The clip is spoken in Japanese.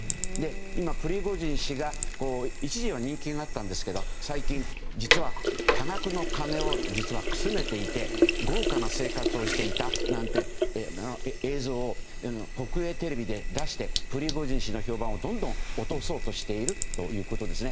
今、プリゴジン氏が一時は人気があったんですけど最近、実は多額の金をくすねていて豪華な生活をしていたなんていう映像を国営テレビで出してプリゴジン氏の評判をどんどんと落とそうとしているんです。